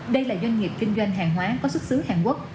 đây là doanh nghiệp kinh doanh hàng hóa có xuất xứ hàn quốc